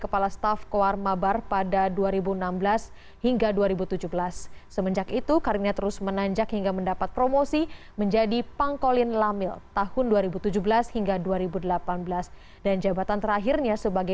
kepala staf angkatan udara marsikal tni fajar prasetyo sempp